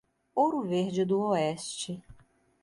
Ouro Verde do Oeste